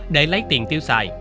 để lấy tiền tiêu xài